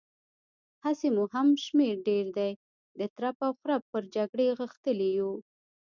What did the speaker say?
هسې مو هم شمېر ډېر دی، د ترپ او خرپ پر جګړې غښتلي يو.